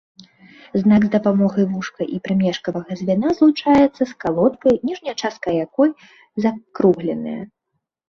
Знак з дапамогай вушка і прамежкавага звяна злучаецца з калодкай, ніжняя частка якой закругленая.